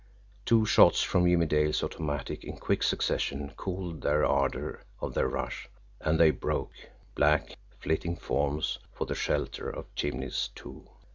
Two shots from Jimmie Dale's automatic, in quick succession cooled the ardour of their rush and they broke, black, flitting forms, for the shelter of chimneys, too.